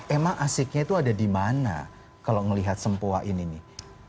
emang asiknya itu ada di mana kalau melihat sempua ini nih